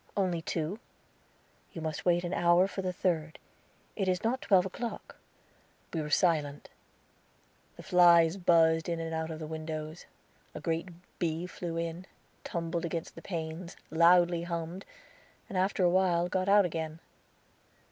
"Only two." "You must wait an hour for the third; it is not twelve o'clock." We were silent. The flies buzzed in and out of the windows; a great bee flew in, tumbled against the panes, loudly hummed, and after a while got out again.